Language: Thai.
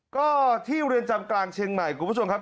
ก็ที่เรือนจำกลางเชียงใหม่คุณผู้ชมครับ